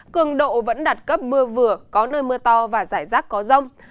cường độ vẫn đạt cấp mưa vừa có nơi mưa to và rải rác có rông